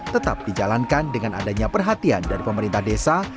tetap dijalankan dengan adanya perhatian dari pemerintah desa